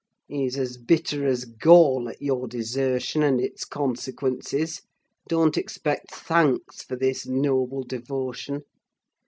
He's as bitter as gall at your desertion and its consequences: don't expect thanks for this noble devotion.